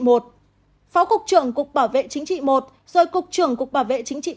phó cục trưởng cục bảo vệ chính trị một rồi cục trưởng cục bảo vệ chính trị